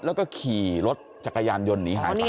แล้วก็ขี่รถจักรยานยนต์หนีหายไป